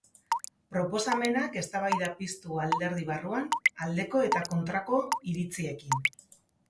Proposamenak eztabaida piztu alderdi barruan, aldeko eta kontrako iritziekin.